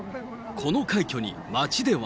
この快挙に街では。